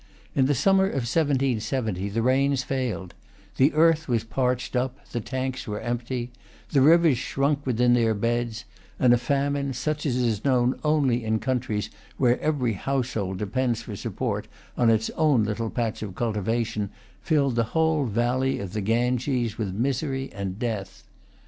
In the summer of 1770, the rains failed; the earth was parched up; the tanks were empty; the rivers shrank within their beds; and a famine, such as is known only in countries where every household depends for support on its own little patch of cultivation, filled the whole valley of the Ganges with misery and death.